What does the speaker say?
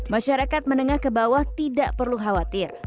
masyarakat menengah ke bawah tidak perlu khawatir